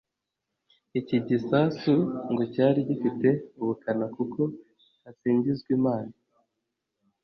Iki gisasu ngo cyari gifite ubukana kuko Hasingizwimana